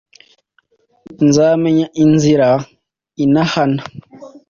nzamenya inzira intahana,